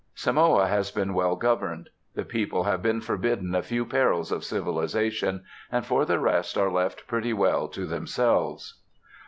Samoa has been well governed. The people have been forbidden a few perils of civilisation, and for the rest are left pretty well to themselves.